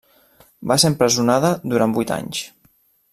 Va ser empresonada durant vuit anys.